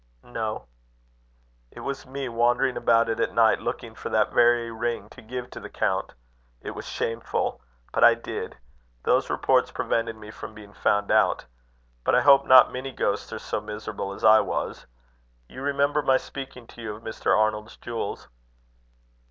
"No." "It was me wandering about it at night, looking for that very ring, to give to the count. It was shameful. But I did. Those reports prevented me from being found out. But I hope not many ghosts are so miserable as I was. You remember my speaking to you of Mr. Arnold's jewels?"